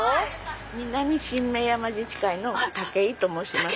南神明山自治会のタケイと申します。